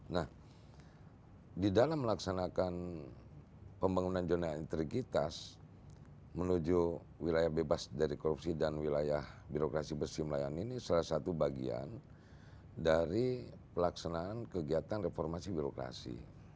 nah di dalam melaksanakan pembangunan zona integritas menuju wilayah bebas dari korupsi dan wilayah birokrasi bersih melayani ini salah satu bagian dari pelaksanaan kegiatan reformasi birokrasi